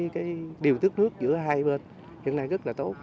cái điều tước nước giữa hai bên hiện nay rất là tốt